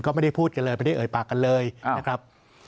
ก็ไม่ได้พูดกันเลยไม่ได้เอ่ยปากกันเลยนะครับ